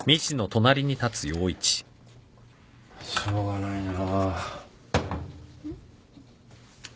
しょうがないな。